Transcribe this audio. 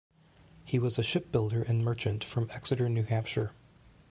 He was a ship builder and merchant from Exeter, New Hampshire.